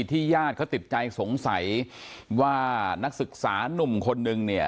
ที่ญาติเขาติดใจสงสัยว่านักศึกษานุ่มคนหนึ่ง